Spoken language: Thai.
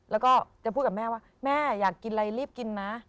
แล้วก็จะพูดกับแม่ว่าแม่อยากกินอะไรรีบกินนะ